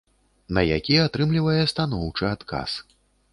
На які атрымлівае станоўчы адказ.